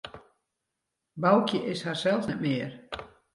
Boukje is harsels net mear.